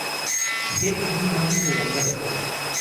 Si bien, es una hábil jugadora de tenis.